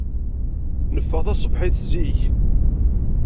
Neffeɣ taṣebḥit zik.